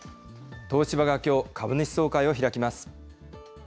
東芝がきょう、株主総会を開きます。